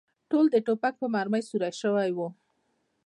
ټول د ټوپک په مرمۍ سوري شوي و.